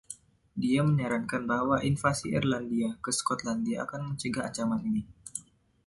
Dia menyarankan bahwa invasi Irlandia ke Skotlandia akan mencegah ancaman ini.